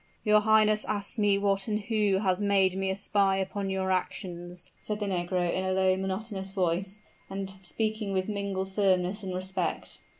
"Your highness asks me what and who has made me a spy upon your actions," said the negro in a low, monotonous voice, and speaking with mingled firmness and respect.